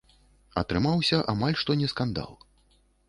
Атрымаўся амаль што не скандал.